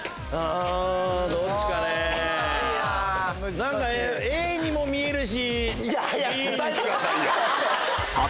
何かＡにも見えるし。